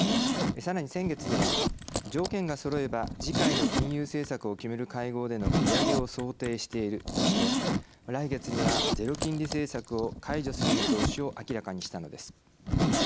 さらに先月には条件がそろえば次回の金融政策を決める会合での利上げを想定しているとして来月にはゼロ金利政策を解除する見通しを明らかにしたのです。